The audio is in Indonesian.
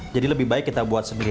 lebih baik kita buat sendiri